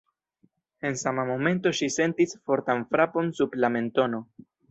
En sama momento ŝi sentis fortan frapon sub la mentono.